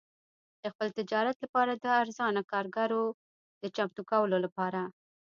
د خپل تجارت لپاره د ارزانه کارګرو د چمتو کولو لپاره.